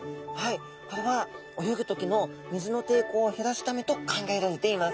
これは泳ぐ時の水の抵抗を減らすためと考えられています。